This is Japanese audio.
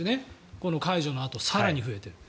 この解除のあと更に増えている。